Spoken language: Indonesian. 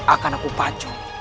akan aku pancung